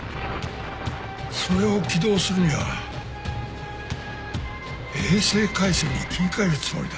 それを起動するには衛星回線に切り替えるつもりだ。